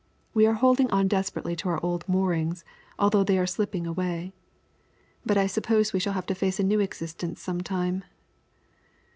We are holding on desperately to our old moorings, although they are slipping away; but I suppose we shall have to face a new existence some time."